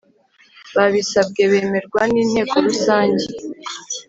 babisabwe bemerwa n'inteko rusange